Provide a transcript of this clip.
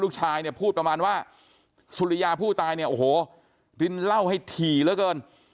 ลูกชายเนี่ยพูดประมาณว่าสุริยาผู้ตายเนี่ยโอ้โหดินเหล้าให้ถี่เหลือเกิน